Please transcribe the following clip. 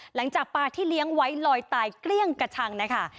หลังจากปลาที่เลี้ยงไว้ลอยตายเกลี้ยงกระชังนะคะ